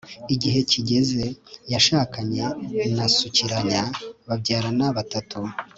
igihe kigeze, yashakanye na sukiranya, babyarana batatu